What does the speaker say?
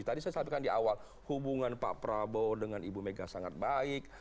tadi saya sampaikan di awal hubungan pak prabowo dengan ibu mega sangat baik